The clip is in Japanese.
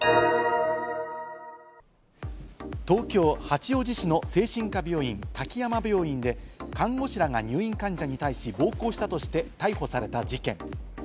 東京八王子市の精神科病院・滝山病院で看護師らが入院患者に対し暴行したとして逮捕された事件。